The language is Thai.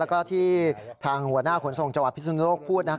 แล้วก็ที่ทางหัวหน้าขนส่งจพิสุนโลกพูดนะครับ